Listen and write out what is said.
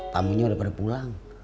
tamunya udah pulang